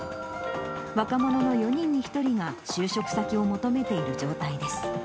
若者の４人に１人が就職先を求めている状態です。